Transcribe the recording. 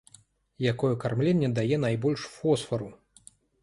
Якое кармленне дае найбольш фосфару?